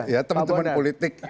ya teman teman politik